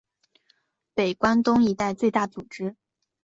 北关东一带最大组织。